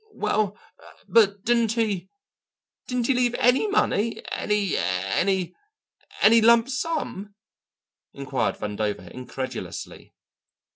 "Well, but didn't he didn't he leave any money, any any any lump sum?" inquired Vandover incredulously.